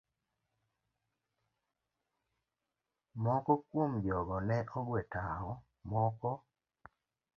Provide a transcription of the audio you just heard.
Moko kuom jogo ne ogwe tawo, moko